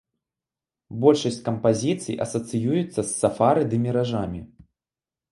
Большасць кампазіцый асацыюецца з сафары ды міражамі.